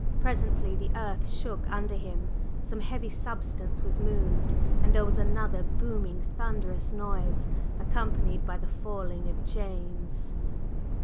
Presently the earth shook under him, some heavy substance was moved, and there was another booming thunderous noise, accompanied by the falling of chains.